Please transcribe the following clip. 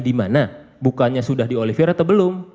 dimana bukannya sudah di olivier atau belum